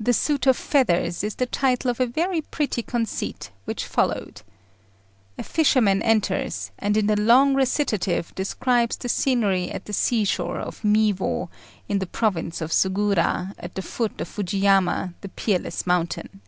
The Suit of Feathers is the title of a very pretty conceit which followed. A fisherman enters, and in a long recitative describes the scenery at the sea shore of Miwo, in the province of Suruga, at the foot of Fuji Yama, the Peerless Mountain.